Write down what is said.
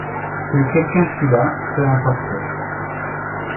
Que quelqu’un fût là, peu importait.